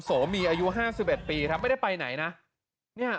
สโหมีอายุห้าสิบเอ็ดปีครับไม่ได้ไปไหนนะเนี่ย